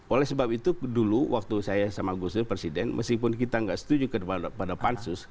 oleh sebab itu dulu waktu saya sama gus dur presiden meskipun kita nggak setuju pada pansus